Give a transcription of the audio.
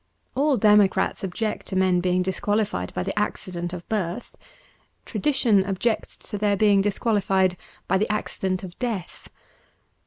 All democrats object to men being dis qualified by the accident of birth : tradition objects to their being disqualified by the accident of death.